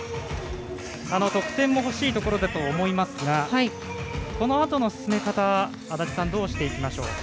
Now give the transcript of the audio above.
得点も欲しいところだと思いますがこのあとの進め方安達さん、どうしていきましょう。